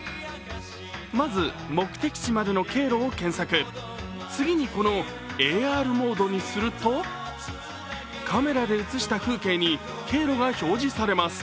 まず目的地までの経路を検索、次にこのＡＲモードにするとカメラで写した風景に経路が表示されます。